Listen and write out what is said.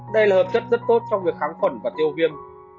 đây là hợp chất rất tốt trong việc kháng khuẩn và tiêu viêm